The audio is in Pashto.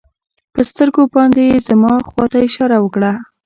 په سترګو باندې يې زما خوا ته اشاره وکړه.